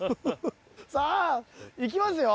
さあ、いきますよ。